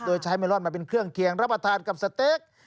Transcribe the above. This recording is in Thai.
โดยใช้เมลอนมาเป็นเครื่องเคียงรับประทานกับสเต็ก